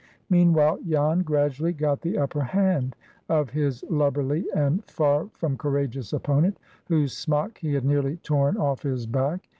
Meanwhile Jan gradually got the upper hand of his lubberly and far from courageous opponent, whose smock he had nearly torn off his back.